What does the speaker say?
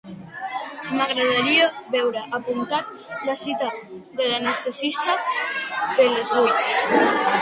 M'agradaria veure apuntat la cita de l'anestesista de les vuit.